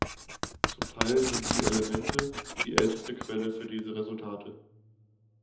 Zum Teil sind die "Elemente" die älteste Quelle für diese Resultate.